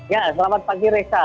ya selamat pagi reza